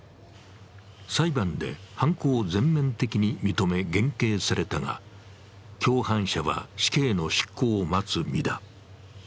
裁判で犯行を全面的に認め、減刑されたが、共犯者は、死刑の執行を待つ身だ。